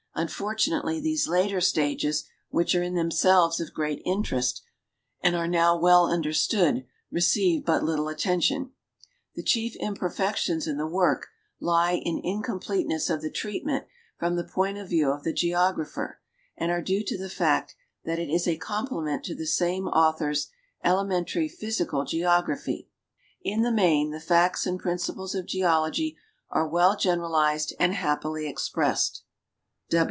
Unfortunately these later stages, which are in themselves of great inter est and are now well understood, receive but little attention. The chief imperfections in the work lie in incompleteness of the treatment from the point of view of the geographer, and are due to the fact that it is a complement to the same author's " Elementary Physical Geography." In the main, the facts and principles of geology are well generalized and happily expressed.